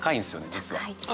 実は。